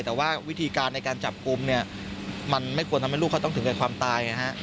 แต่ว่าวิธีการในการจับกลุ่มเนี่ยมันไม่ควรทำให้ลูกเขาต้องถึงกับความตายไงฮะ